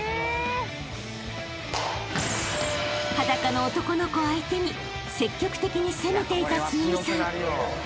［裸の男の子相手に積極的に攻めていたつぐみさん］